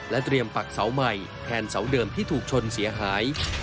เตรียมปักเสาใหม่แทนเสาเดิมที่ถูกชนเสียหาย